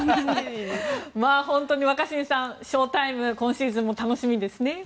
本当に若新さん、翔タイム今シーズンも楽しみですね。